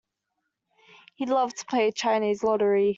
He loved to play Chinese lottery.